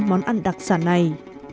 món ăn đặc sản này